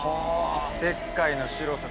石灰の白さ。